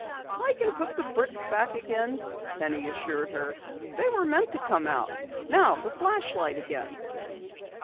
"I can put the bricks back again," Penny assured her. "They were meant to come out. Now, the flashlight again."